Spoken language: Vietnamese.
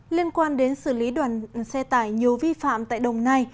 liên quan đến xử lý đoàn xe tải nhiều vi phạm tại đồng nai